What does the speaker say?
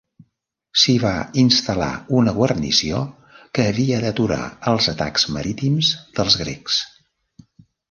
S'hi va instal·lar una guarnició que havia d'aturar els atacs marítims dels grecs.